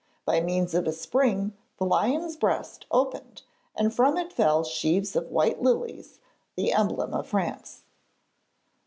By means of a spring the lion's breast opened and from it fell sheaves of white lilies, the emblem of France.